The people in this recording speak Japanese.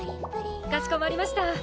かしこまりました。